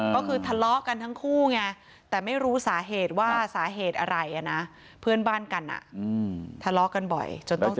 ก็คือทะเลาะกันทั้งคู่ไงแต่ไม่รู้สาเหตุว่าสาเหตุอะไรนะเพื่อนบ้านกันทะเลาะกันบ่อยจนต้องเจอ